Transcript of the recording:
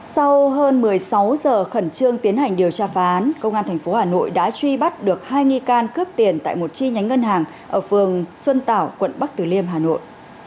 sau hơn một mươi sáu giờ khẩn trương tiến hành điều tra phá án công an tp hà nội đã truy bắt được hai nghi can cướp tiền tại một chi nhánh ngân hàng ở phường xuân tảo quận bắc từ liêm hà nội